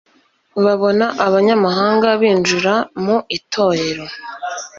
babona abanyamahanga binjira mu itorero;